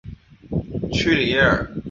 屈里耶尔。